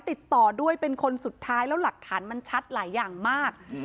ติดต่อด้วยเป็นคนสุดท้ายแล้วหลักฐานมันชัดหลายอย่างมาก